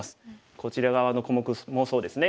こちら側の小目もそうですね。